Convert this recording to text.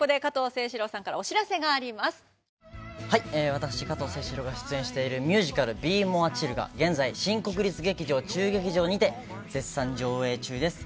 私加藤清史郎が出演しているミュージカル「ＢＥＭＯＲＥＣＨＩＬＬ」が現在新国立劇場中劇場にて絶賛上演中です